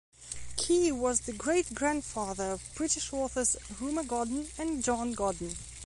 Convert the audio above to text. Key was the great-grandfather of British authors Rumer Godden and Jon Godden.